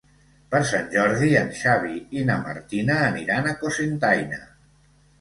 Per Sant Jordi en Xavi i na Martina aniran a Cocentaina.